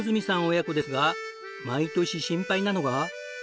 親子ですが毎年心配なのが。